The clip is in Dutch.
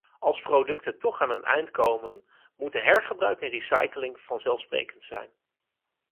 Als producten toch aan hun eind komen moeten hergebruik en recycling vanzelfsprekend zijn.